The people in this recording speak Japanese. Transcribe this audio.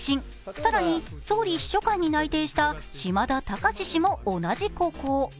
更に総理秘書官に内定した嶋田隆氏も同じ高校。